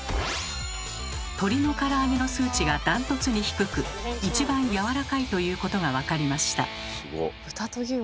鶏のから揚げの数値が断トツに低く一番やわらかいということが分かりました。